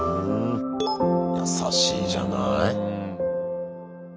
優しいじゃない。